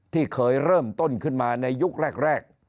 ที่เคยเริ่มต้นขึ้นมาในยุคแรก